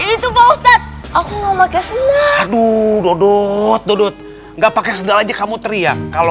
itu pak ustadz aku enggak pakai senang aduh dodot dodot enggak pakai senang aja kamu teriak kalau